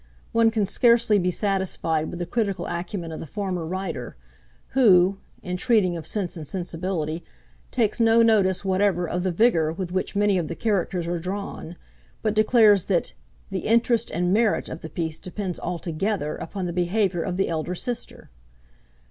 One can scarcely be satisfied with the critical acumen of the former writer, who, in treating of 'Sense and Sensibility,' takes no notice whatever of the vigour with which many of the characters are drawn, but declares that 'the interest and merit of the piece depends altogether upon the behaviour of the elder sister!'